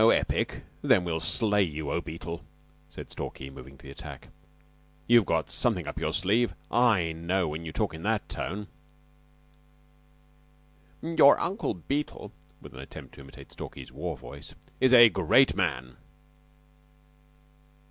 "No epic? Then we will slay you, O Beetle," said Stalky, moving to the attack. "You've got something up your sleeve. I know, when you talk in that tone!" "Your Uncle Beetle" with an attempt to imitate Stalky's war voice "is a great man."